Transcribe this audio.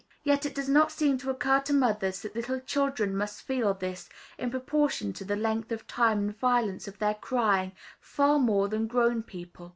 Yet it does not seem to occur to mothers that little children must feel this, in proportion to the length of time and violence of their crying, far more than grown people.